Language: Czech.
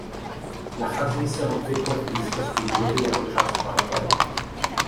Nachází se obvykle v blízkosti budovy jako část parteru.